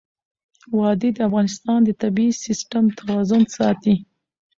وادي د افغانستان د طبعي سیسټم توازن ساتي.